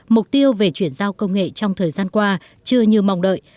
mục tiêu về chuyển giao công nghệ trong thời gian qua chưa như mong đợi